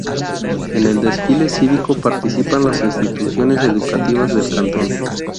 En el desfile cívico participan las instituciones educativas del cantón.